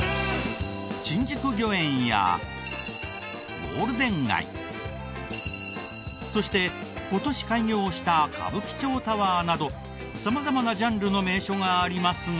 新宿御苑やゴールデン街そして今年開業した歌舞伎町タワーなど様々なジャンルの名所がありますが。